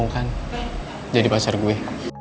lo mau kan jadi pasir gue